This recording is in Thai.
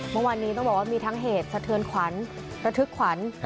เมื่อวานนี้ต้องบอกว่ามีทั้งเหตุสะเทือนขวัญระทึกขวัญ